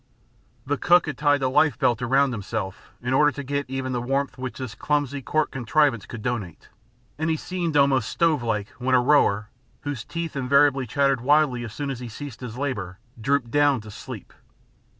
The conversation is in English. The cook had tied a life belt around himself in order to get even the warmth which this clumsy cork contrivance could donate, and he seemed almost stove like when a rower, whose teeth invariably chattered wildly as soon as he ceased his labor, dropped down to sleep.